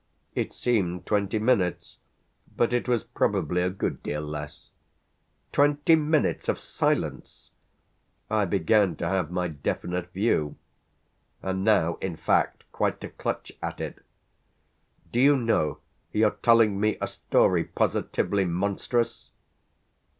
It seemed twenty minutes, but it was probably a good deal less." "Twenty minutes of silence!" I began to have my definite view and now in fact quite to clutch at it. "Do you know you're telling me a story positively monstrous?"